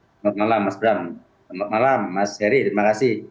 selamat malam mas bram selamat malam mas heri terima kasih